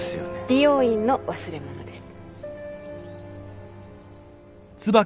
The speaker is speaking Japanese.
美容院の忘れ物です。